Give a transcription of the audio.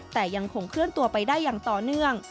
แต่ยังคงเคลื่อนตัวไปได้อย่างต่อเนื่อง